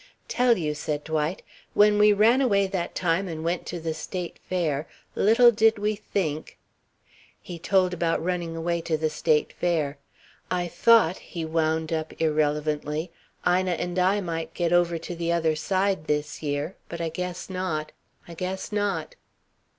"Tell you," said Dwight. "When we ran away that time and went to the state fair, little did we think " He told about running away to the state fair. "I thought," he wound up, irrelevantly, "Ina and I might get over to the other side this year, but I guess not. I guess not."